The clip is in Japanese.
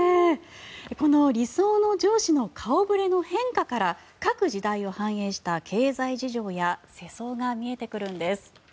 この理想の上司の顔触れの変化から各時代を反映した経済事情や世相が見えてくるんです。